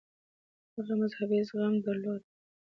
هغه مذهبي زغم درلود.